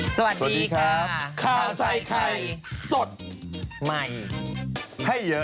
สวัสดีครับข้าวใส่ไข่สดใหม่ให้เยอะ